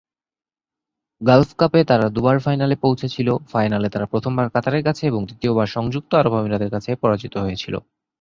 Gulf কাপে, তারা দুই বার ফাইনালে পৌঁছেছিল, ফাইনালে তারা প্রথমবার কাতারের কাছে এবং দ্বিতীয়বার সংযুক্ত আরব আমিরাতের কাছে পরাজিত হয়েছিল।